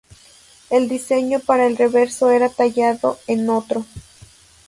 El diseño para el reverso era tallado en otro.